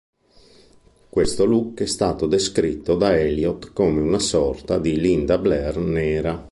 Questo look è stato descritto da Elliott come una sorta di "Linda Blair nera".